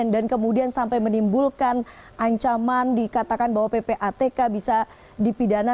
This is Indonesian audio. dan kemudian sampai menimbulkan ancaman dikatakan bahwa ppatk bisa dipidana